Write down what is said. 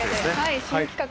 新企画で。